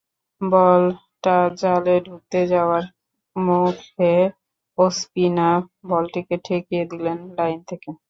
বলটা জালে ঢুকতে যাওয়ার মুখে ওসপিনা বলটিকে ঠেকিয়ে দিলেন লাইন থেকে।